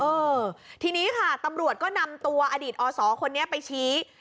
เออทีนี้ค่ะตำรวจก็นำตัวอดีตอศคนนี้ไปชี้